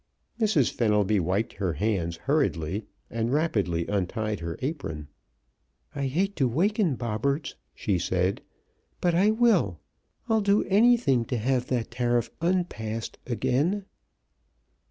Mrs. Fenelby wiped her hands hurriedly and rapidly untied her apron. "I hate to waken Bobberts," she said, "but I will! I'd do anything to have that tariff unpassed again."